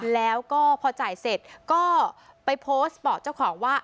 แล้วก็พอจ่ายเสร็จก็ไปโพสต์บอกเจ้าของว่า